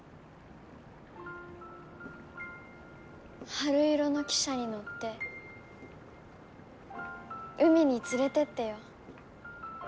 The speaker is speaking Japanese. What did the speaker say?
「春色の汽車に乗って海に連れて行ってよ。